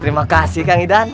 terima kasih kang idan